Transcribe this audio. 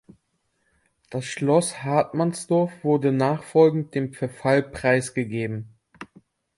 Das Schloss Hartmannsdorf wurde nachfolgend dem Verfall preisgegeben.